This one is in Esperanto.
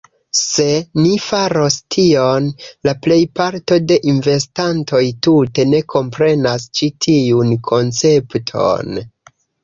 Se ni faros tion, la plejparto de investantoj tute ne komprenas ĉi tiun koncepton